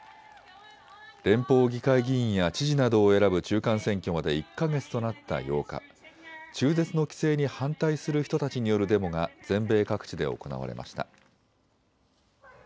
連邦議会議員や知事などを選ぶ中間選挙まで１か月となった８日、中絶の規制に反対する人たちによるデモが全米各地で行われました。